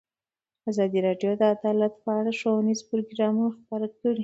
ازادي راډیو د عدالت په اړه ښوونیز پروګرامونه خپاره کړي.